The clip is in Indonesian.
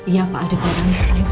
iya pak ada keadaan